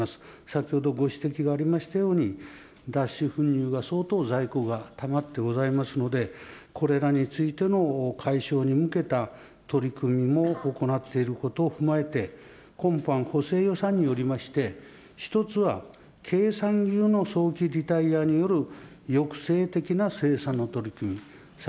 先ほどご指摘がありましたように、脱脂粉乳は相当在庫がたまってございますので、これらについての解消に向けた取り組みも行っていることを踏まえて、今般補正予算によりまして１つはの早期リタイアによる抑制的な生産の取り組み。